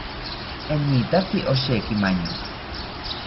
Enitatzi osheki maño